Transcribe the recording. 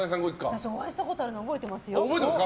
私、お会いしたことあるの覚えてますよ。